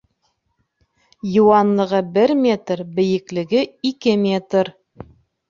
Йыуанлығы бер метр, бейеклеге ике метр!